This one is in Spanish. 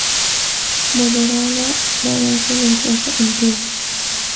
Moderada fragancia de rosa antigua.